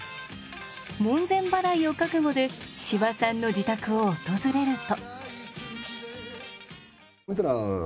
門前払いを覚悟で司馬さんの自宅を訪れると。